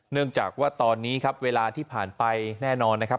เนื่องจากว่าตอนนี้ครับเวลาที่ผ่านไปแน่นอนนะครับ